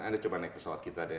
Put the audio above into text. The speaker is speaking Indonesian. anda coba naik pesawat kita deh